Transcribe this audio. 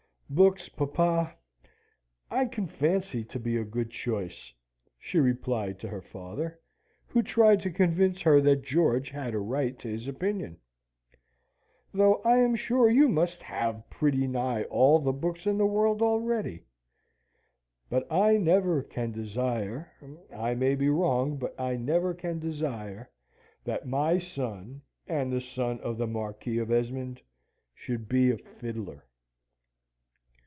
"Books, papa, I can fancy to be a good choice," she replied to her father, who tried to convince her that George had a right to his opinion, "though I am sure you must have pretty nigh all the books in the world already. But I never can desire I may be wrong, but I never can desire that my son, and the grandson of the Marquis of Esmond, should be a fiddler."